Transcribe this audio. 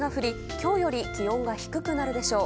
今日より気温が低くなるでしょう。